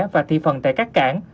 và thị phần tại các cảng